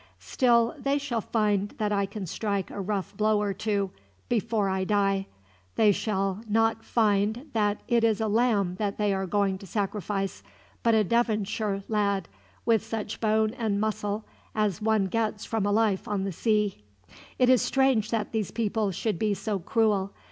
"Still, they shall find that I can strike a rough blow or two, before I die. They shall not find that it is a lamb that they are going to sacrifice, but a Devonshire lad, with such bone and muscle as one gets from a life on the sea. "It is strange that these people should be so cruel.